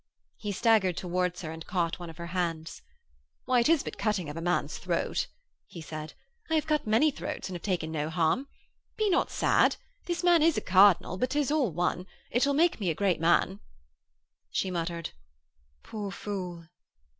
He staggered towards her and caught one of her hands. 'Why, it is but cutting of a man's throat,' he said. 'I have cut many throats and have taken no harm. Be not sad! This man is a cardinal. But 'tis all one. It shall make me a great man.' She muttered, 'Poor fool.'